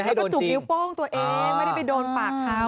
ให้ก็จุกนิ้วโป้งตัวเองไม่ได้ไปโดนปากเขา